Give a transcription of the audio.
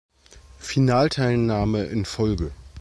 Finalteilnahme in Folge.